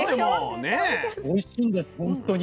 おいしいんですほんとに。